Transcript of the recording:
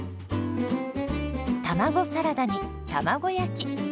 卵サラダに卵焼き。